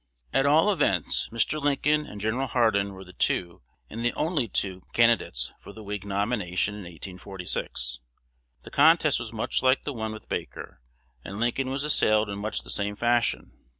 At all events, Mr. Lincoln and Gen. Hardin were the two, and the only two, candidates for the Whig nomination in 1846. The contest was much like the one with Baker, and Lincoln was assailed in much the same fashion.